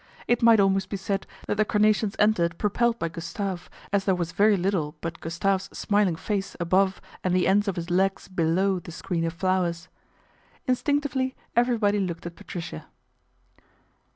It might almost be said that the carnations entered propelled by Gustave, as there was very little but Gustave's smiling face above and the ends of his legs below the screen of flowers. Instinctively everybody looked at Patricia.